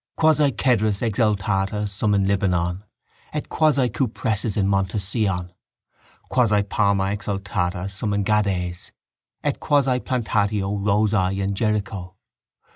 _Quasi cedrus exaltata sum in Libanon et quasi cupressus in monte Sion. Quasi palma exaltata sum in Gades et quasi plantatio rosae in Jericho.